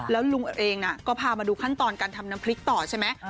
แล้วลุงเองก็พามาดูขั้นตอนการทำน้ำพริกต่อใช่ไหม